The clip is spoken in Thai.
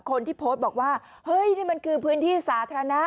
คนที่โพสต์บอกว่าเฮ้ยนี่มันคือพื้นที่สาธารณะ